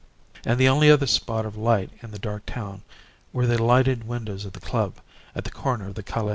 And the only other spot of light in the dark town were the lighted windows of the club, at the corner of the Calle."